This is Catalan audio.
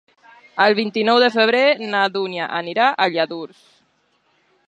El vint-i-nou de febrer na Dúnia anirà a Lladurs.